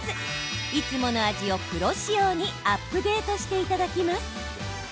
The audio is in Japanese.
いつもの味をプロ仕様にアップデートしていただきます。